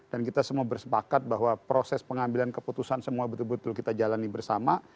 dan kita semua bersepakat bahwa proses pengambilan keputusan semua betul betul kita jalani bersama